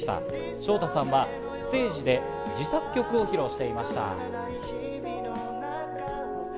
ＳＨＯＴＡさんはステージで自作曲を披露していました。